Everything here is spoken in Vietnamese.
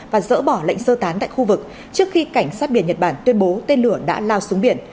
và dỡ bỏ lệnh sơ tán tại khu vực trước khi cảnh sát biển nhật bản tuyên bố tên lửa đã lao xuống biển